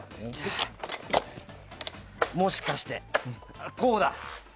もしかして、こうだ！